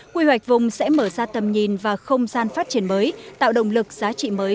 quy hoạch vùng sẽ mở ra tầm nhìn và không gian phát triển mới tạo động lực giá trị mới